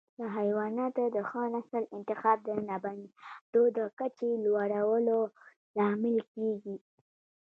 د حیواناتو د ښه نسل انتخاب د لبنیاتو د کچې لوړولو لامل کېږي.